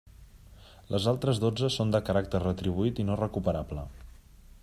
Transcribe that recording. Les altres dotze són de caràcter retribuït i no recuperable.